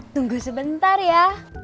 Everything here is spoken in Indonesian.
tunggu sebentar ya